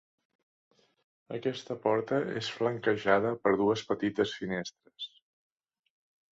Aquesta porta és flanquejada per dues petites finestres.